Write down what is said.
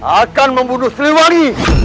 akan membunuh siliwangi